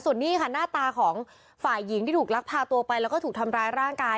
ส่วนนี้ค่ะหน้าตาของฝ่ายหญิงที่ถูกลักพาตัวไปแล้วก็ถูกทำร้ายร่างกาย